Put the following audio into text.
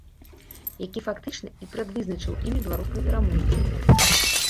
Які, фактычна, і прадвызначыў імя беларускага пераможцы.